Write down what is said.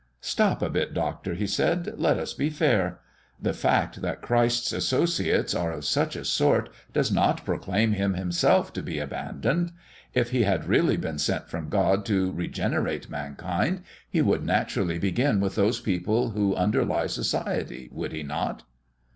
"Stop a bit, doctor," he said, "let us be fair. The fact that Christ's associates are of such a sort does not proclaim Him Himself to be abandoned. If He had really been sent from God to regenerate mankind He would naturally begin with those people who underlie society, would He not?"